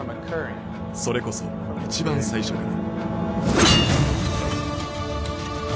それこそ一番最初から。